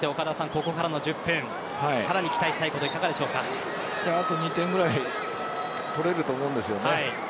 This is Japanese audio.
ここからの１０分さらに期待したいことあと２点くらい取れると思うんですよね。